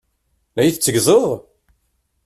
La yi-tetteggzeḍ?